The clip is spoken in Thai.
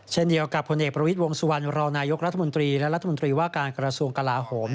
เช่นเดียวกับผู้เนกพระวิทวงศ์สุภรรณรนรัฐมนตรีและรัฐมนตรีวาการกรสงค์กราโหม